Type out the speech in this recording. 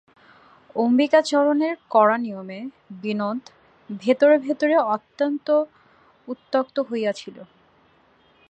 অম্বিকাচরণের কড়া নিয়মে বিনোদ ভিতরে ভিতরে অত্যন্ত উক্ত্যক্ত হইয়াছিল।